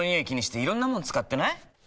気にしていろんなもの使ってない？